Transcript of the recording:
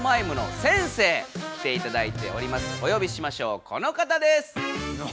およびしましょうこのかたです！